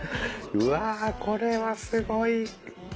うわこれはすごい。